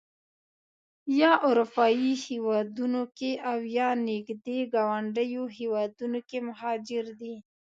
یا اروپایي هېوادونو کې او یا نږدې ګاونډیو هېوادونو کې مهاجر دي.